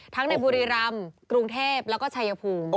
ในบุรีรำกรุงเทพแล้วก็ชายภูมิ